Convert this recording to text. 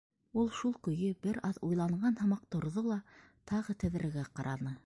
Ул шул көйө бер аҙ уйланған һымаҡ торҙо ла тағы тәҙрәгә ҡараны.